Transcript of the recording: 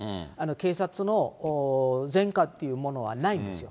警察の前科っていうものはないんですよ。